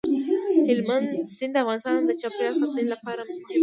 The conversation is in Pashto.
هلمند سیند د افغانستان د چاپیریال ساتنې لپاره مهم دی.